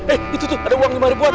eh itu tuh ada uang di mana buat